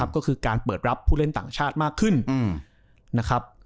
ก็คือการเปิดรับผู้เล่นต่างชาติมากขึ้นนะครับ